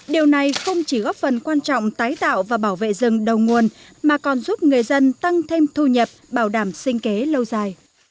điều này không chỉ góp phần quan trọng tái tạo và bảo vệ rừng đầu nguồn mà còn giúp người dân tăng thêm thu nhập bảo đảm sinh kế lâu dài